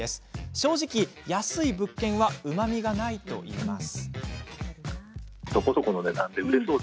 正直、安い物件はうまみがないといいます。